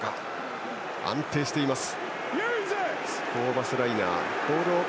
安定しています。